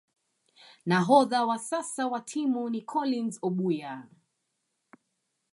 Nahodha wa sasa wa timu ni Collins Obuya